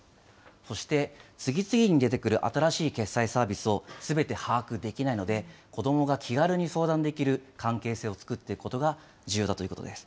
そして、次々に出てくる新しい決済サービスをすべて把握できないので、子どもが気軽に相談できる関係性を作っていくことが重要だということです。